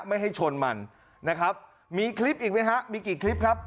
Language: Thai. ไม่ให้ชนมันนะครับมีคลิปอีกไหมฮะมีกี่คลิปครับ